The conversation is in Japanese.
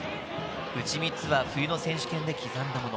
うち３つは冬の選手権で刻んだもの。